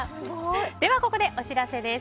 ではここでお知らせです。